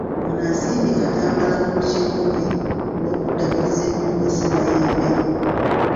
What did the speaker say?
Ono asiimye Katambala n'olukiiko lwe olw'okuddaabiriza ennyumba Ssemayembe.